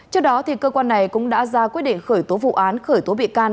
trước đó cơ quan này cũng đã ra quyết định khởi tố vụ án khởi tố bị can